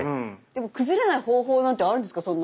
でも崩れない方法なんてあるんですか？